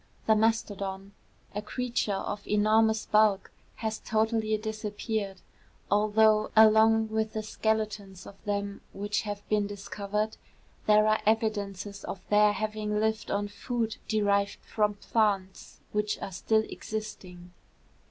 The mastodon, a creature of enormous bulk, has totally disappeared, although, along with the skeletons of them which have been discovered, there are evidences of their having lived on food derived from plants which are still existing.